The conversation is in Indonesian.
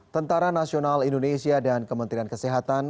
tentara nasional indonesia dan kementerian kesehatan